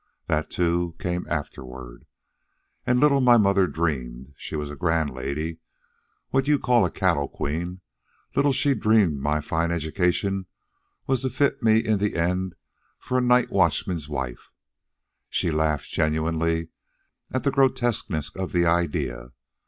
That, too, came afterward. And little my mother dreamed she was a grand lady, what you call a cattle queen little she dreamed my fine education was to fit me in the end for a night watchman's wife." She laughed genuinely at the grotesqueness of the idea.